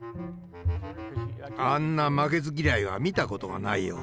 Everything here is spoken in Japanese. あんな負けず嫌いは見たことがないよ。